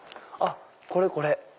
これこれ。